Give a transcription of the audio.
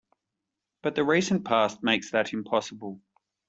But the recent past makes that impossible.